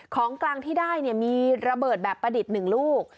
ของกลางที่ได้เนี่ยมีระเบิดแบบประดิษฐ์หนึ่งลูก